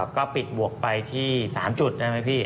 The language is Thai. ก็ปิดบวกไปที่๓จุดได้ไหมพี่